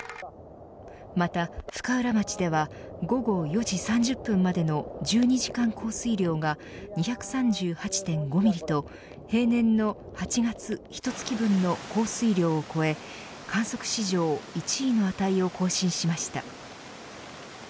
また、深浦町では午後４時３０分までの１２時間降水量が２３８．５ミリと平年の８月ひと月分の降水量を超え、観測史上１位の値を更新しました。